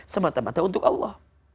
semata mata untuk allah